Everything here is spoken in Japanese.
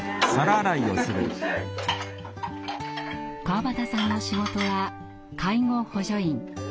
川端さんの仕事は介護補助員。